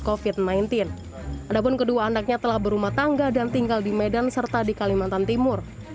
kofit sembilan belas adapun kedua anaknya telah berumah tangga dan tinggal di medan serta di kalimantan timur